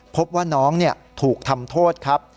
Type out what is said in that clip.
พบว่าน้องถูกทำโทษครับ